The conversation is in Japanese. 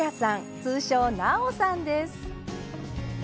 通称・なおさんです。